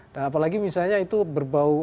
dan apalagi misalnya itu berbau